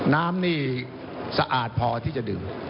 น้ำนี่สะอาดพอที่จะดื่ม